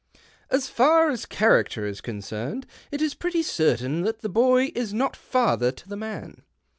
" As far as character is concerned, it is pretty certain that the boy is not father to the man.